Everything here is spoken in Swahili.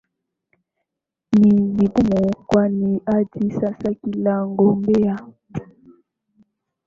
ni vigumu kwani hadi sasa kila mgombea